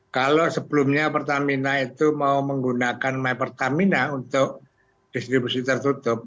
kalau sebelumnya pertamina itu mau menggunakan my pertamina untuk distribusi tertutup